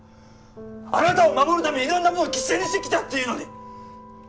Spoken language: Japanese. あなたを守るためにいろんなものを犠牲にしてきたっていうのに！